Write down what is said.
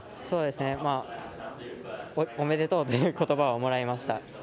そうですね、おめでとうということばをもらいました。